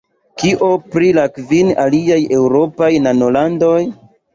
Kio pri la kvin aliaj eŭropaj nanolandoj?